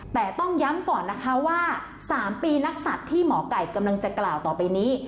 แต่ต้องย้ำก่อนนะคะว่า๓ปีนักศัตริย์ที่หมอไก่กำลังจะกล่าวต่อไปนี้